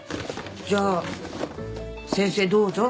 じゃあ先生どうぞ。